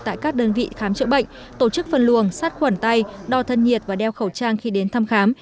tại các đơn vị khám chữa bệnh tổ chức phân luồng sát khuẩn tay đo thân nhiệt và đeo khẩu trang khi đến thăm khám